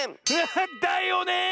だよね！